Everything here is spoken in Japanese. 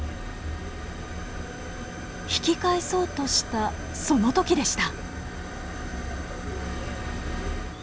引き返そうとしたその時でした。